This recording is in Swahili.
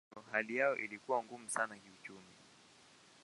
Hivyo hali yao ilikuwa ngumu sana kiuchumi.